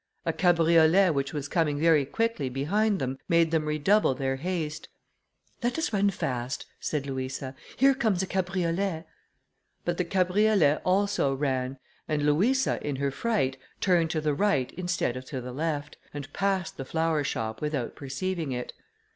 A cabriolet which was coming very quickly behind them, made them redouble their haste. "Let us run fast," said Louisa, "here comes a cabriolet," but the cabriolet also ran, and Louisa, in her fright, turned to the right instead of to the left, and passed the flower shop without perceiving it.